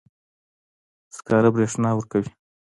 سکاره برېښنا ورکوي.